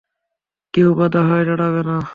কেউ বাধা হয়ে দাঁড়াবে না।